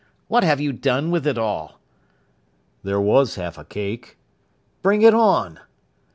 What have you done with it all?" "There was half a cake " "Bring it on."